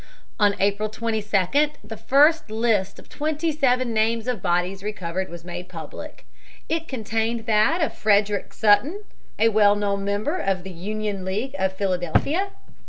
On April 22d the first list of twenty seven names of bodies recovered was made public. It contained that of Frederick Sutton, a well known member of the Union League of Philadelphia.